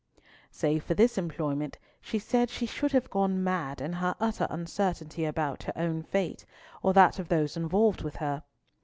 Save for this employment, she said she should have gone mad in her utter uncertainty about her own fate, or that of those involved with her.